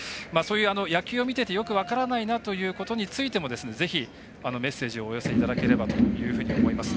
野球を見ていてよく分からないなということもぜひ、メッセージをお寄せいただければと思います。